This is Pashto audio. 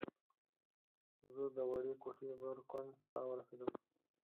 زه د وړې کوټې بر کونج ته ورسېدم.